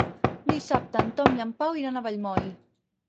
Dissabte en Tom i en Pau iran a Vallmoll.